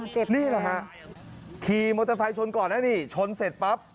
นี่แหละฮะขี่มอเตอร์ไซค์ชนก่อนนะนี่ชนเสร็จปั๊บ